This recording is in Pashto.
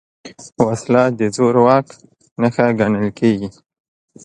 وسله د زور واک نښه ګڼل کېږي